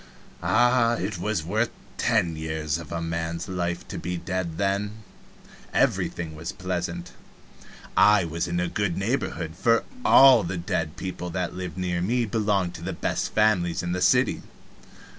Ah, it was worth ten years of a man's life to be dead then! Everything was pleasant. I was in a good neighborhood, for all the dead people that lived near me belonged to the best families in the city.